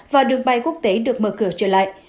và đường bay quốc tế được mở cửa trở lại